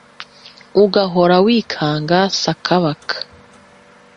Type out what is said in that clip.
ugahora wikanga sakabaka